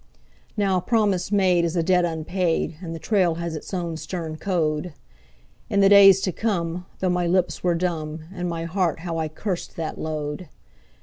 Now a promise made is a debt unpaid, and the trail has its own stern code. In the days to come, though my lips were dumb, in my heart how I cursed that load.